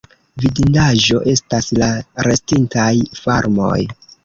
Vidindaĵo estas la restintaj farmoj.